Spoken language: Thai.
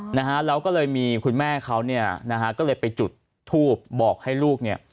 นะฮะแล้วก็เลยมีคุณแม่เขาเนี่ยนะฮะก็เลยไปจุดทูบบอกให้ลูกเนี่ย